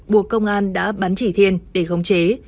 buộc công an đã bắn chỉ thiên để khống chế